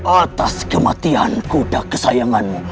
atas kematian kuda kesayanganmu